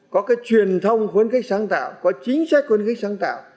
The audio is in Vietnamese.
có cái truyền thông khuyến khích sáng tạo có chính sách khuyến khích sáng tạo